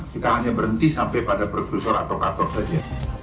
kita hanya berhenti sampai pada berkusur atau katur saja